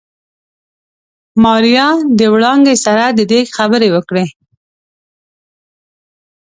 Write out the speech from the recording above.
ماريا د وړانګې سره د ديګ خبرې وکړې.